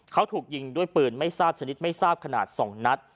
เขาถูกยิงด้วยปืนไม่ทราบชนิดไม่ทราบขนาด๒นัด